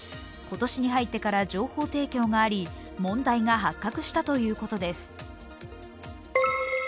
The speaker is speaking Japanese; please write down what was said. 今年に入ってから情報提供があり問題が発覚したということです。